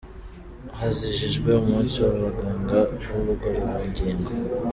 Hizijijwe umunsi w’abaganga b’ubugororangingo